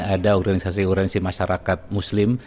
ada organisasi organisasi masyarakat muslim